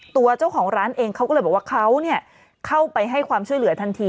ตัวเจ้าของร้านเองเขาก็เลยบอกว่าเขาเข้าไปให้ความช่วยเหลือทันที